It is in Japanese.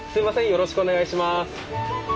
よろしくお願いします。